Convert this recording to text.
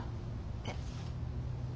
えっ。